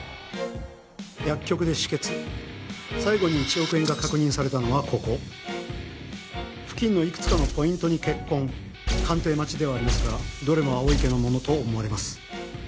薬局で止血最後に１億円が確認されたのはここ付近のいくつかのポイントに血痕鑑定待ちではありますがどれも青池のものと思われます